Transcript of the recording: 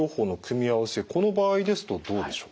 この場合ですとどうでしょう？